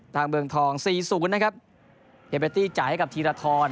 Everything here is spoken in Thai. เมืองทอง๔๐นะครับเดเบตตี้จ่ายให้กับธีรทร